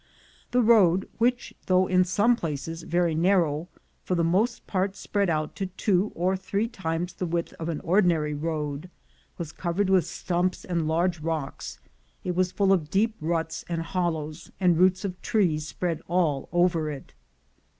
The road, which, though in some places very nar row, for the most part spread out to two or three times the width of an ordinary road, was covered with stumps and large rocks; it was full of deep ruts and hollows, and roots of trees spread all over it.